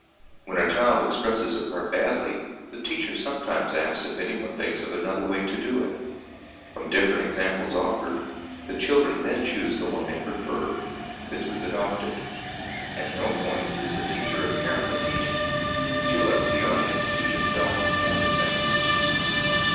When a child expresses a part badly, the teacher sometimes asks if anyone thinks of another way to do it; from different examples offered, the children then choose the one they prefer; this is adopted. At no point is the teacher apparently teaching. She lets the audience teach itself and its actors.